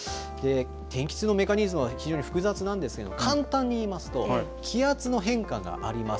天気痛のメカニズムは非常に複雑なんですけれども、簡単に言いますと、気圧の変化があります。